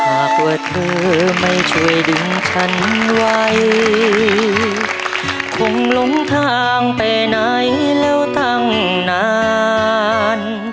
หากว่าเธอไม่ช่วยดึงฉันไว้คงล้มทางไปไหนแล้วตั้งนาน